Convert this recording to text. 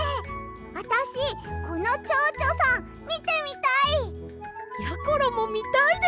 あたしこのチョウチョさんみてみたい！やころもみたいです！